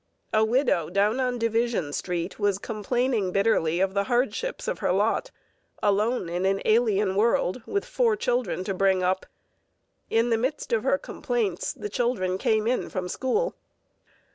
A widow down on Division Street was complaining bitterly of the hardships of her lot, alone in an alien world with four children to bring up. In the midst of her complaints the children came in from school.